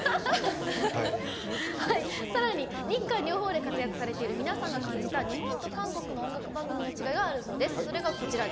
さらに日韓両方で活躍されている皆さんが感じた日本と韓国の音楽番組の違いがあるそうです。